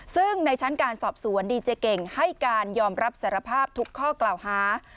ซึ่งในชั้นการสอบสวนดีเจเก่งให้การยอมรับสารภาพทุกข้อกล่าวหา